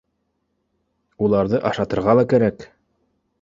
Уларҙы ашатырға ла кәрәк